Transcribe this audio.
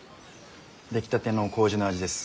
出来たての麹の味です。